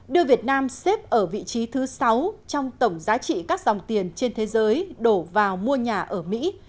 đưa việt nam xếp ở vị trí thứ sáu trong tổng giá trị các dòng tiền trên thế giới đổ vào mua nhà ở mỹ